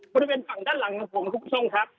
บริเวณฝั่งด้านหลังของผมคุณผู้ชมครับ